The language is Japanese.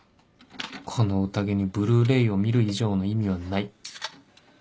この宴に Ｂｌｕ−ｒａｙ を見る以上の意味はない